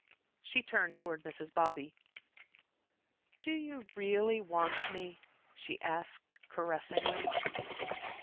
She turned towards Mrs. Bobby. "Do you really want me?" she asked, caressingly.